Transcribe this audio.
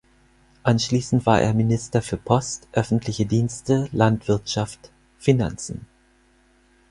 Anschließend war er Minister für Post, öffentliche Dienste, Landwirtschaft, Finanzen.